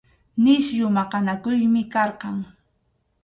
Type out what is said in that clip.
Nisyu maqanakuymi karqan.